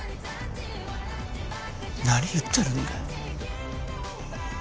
何言ってるんだよ。